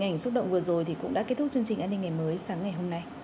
những hình ảnh xúc động vừa rồi cũng đã kết thúc chương trình an ninh ngày mới sáng ngày hôm nay